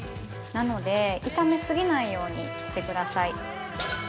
なので、炒め過ぎないようにしてください。